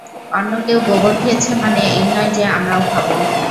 অন্যকেউ গোবর খেয়েছে মানে এই নয় যে আমরাও খাবো।